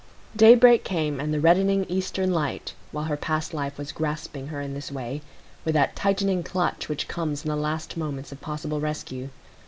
Day break came and the reddening eastern light, while her past life was grasping her in this way, with that tightening clutch which comes in the last moments of possible rescue.